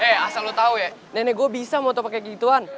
eh asal lo tau ya nenek gue bisa motopake gituan